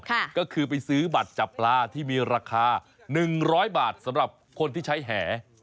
ก็คือไปซื้อบัตรจับปลาที่มีราคา๑๐๐บาทสำหรับคนที่ใช้แห่